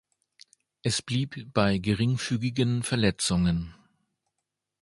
Es blieb bei geringfügigen Verletzungen.